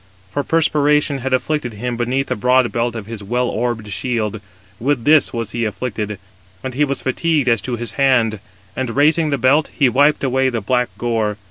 For perspiration had afflicted him beneath the broad belt of his well orbed shield: with this was he afflicted, and he was fatigued as to his hand; and raising the belt, he wiped away the black gore.